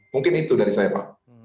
mungkin itu dari saya pak